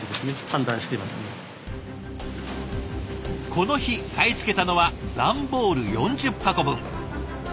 この日買い付けたのは段ボール４０箱分。